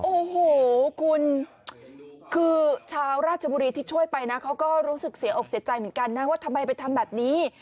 โอ้โหคุณคือชาวราชบุรีที่ช่วยไปนะเขาก็รู้สึกเสียอกเสียใจเหมือนกันนะว่าทำไมไปทำแบบนี้